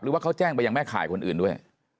ว่าเขาแจ้งไปยังแม่ข่ายคนอื่นด้วย